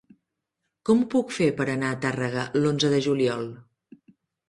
Com ho puc fer per anar a Tàrrega l'onze de juliol?